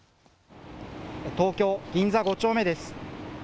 東京銀座５丁目です。